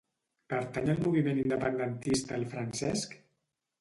Pertany al moviment independentista el Francesc?